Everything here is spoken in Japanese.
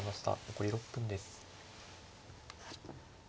残り６分です。